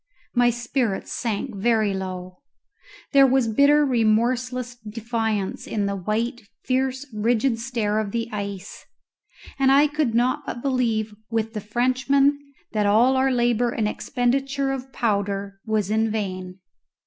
My spirits sank very low. There was bitter remorseless defiance in the white, fierce rigid stare of the ice, and I could not but believe with the Frenchman that all our labour and expenditure of powder was in vain.